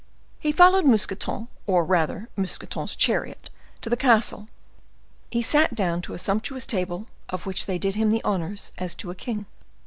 He followed Mousqueton, or rather Mousqueton's chariot, to the castle. He sat down to a sumptuous table, of which they did him the honors as to a king.